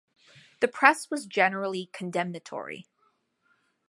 The press was generally condemnatory.